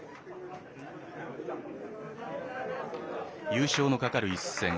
優勝のかかる一戦。